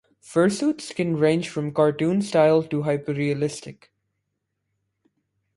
Fursuits can range from cartoon-styled to hyper-realistic.